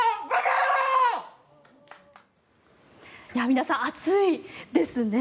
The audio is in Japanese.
皆さん、熱いですね。